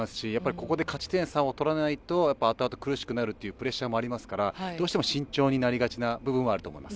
ここで勝ち点３を取らないとあとあと苦しくなるというプレッシャーもありますからどうしても慎重になりがちな部分はあると思います。